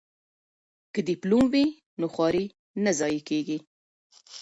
که ډیپلوم وي نو خواري نه ضایع کیږي.